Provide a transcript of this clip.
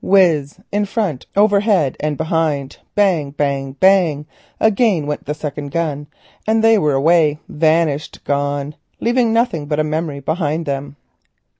Whizz in front, overhead and behind; bang, bang; bang again with the second gun, and they were away—vanished, gone, leaving nothing but a memory behind them.